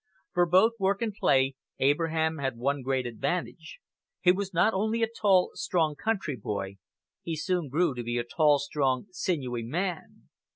For both work and play Abraham had one great advantage. He was not only a tall, strong country boy: he soon grew to be a tall, strong, sinewy man.